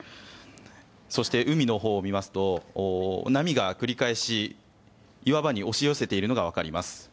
そして、海のほうを見ますと波が繰り返し岩場に押し寄せているのがわかります。